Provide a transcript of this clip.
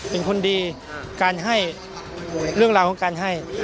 เป็นคนดีการให้เรื่องราวของการให้